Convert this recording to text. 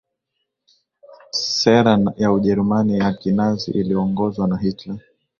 sera ya ujerumani ya kinazi iliongozwa na hitler